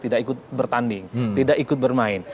tidak ikut bertanding tidak ikut bermain